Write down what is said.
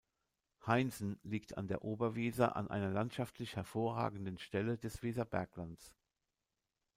Heinsen liegt an der Oberweser an einer landschaftlich hervorragenden Stelle des Weserberglands.